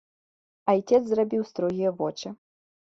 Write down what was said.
Айцец зрабіў строгія вочы.